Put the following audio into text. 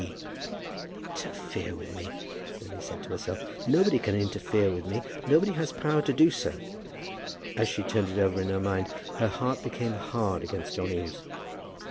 D." "Interfere with me!" Lily said to herself; "nobody can interfere with me; nobody has power to do so." As she turned it over in her mind, her heart became hard against John Eames.